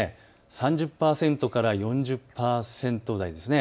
３０％から４０％台ですね。